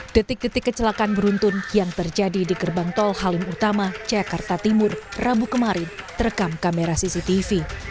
detik detik kecelakaan beruntun yang terjadi di gerbang tol halim utama jakarta timur rabu kemarin terekam kamera cctv